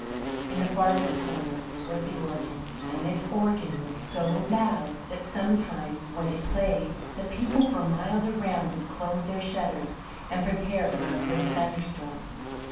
In the farthest corner was the organ; and this organ was so loud, that sometimes when it played, the people for miles around would close their shutters and prepare for a great thunderstorm.